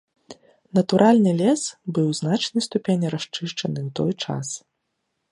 Натуральны лес быў у значнай ступені расчышчаны ў той час.